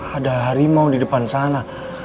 ada harimau di depan sana